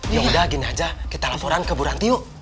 yaudah gini aja kita laporan ke buranti yuk